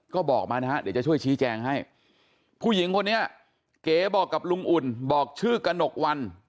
ก็บอกมานะฮะเดี๋ยวจะช่วยชี้แจงให้ผู้หญิงคนนี้เก๋บอกกับลุงอุ่นบอกชื่อกระหนกวัน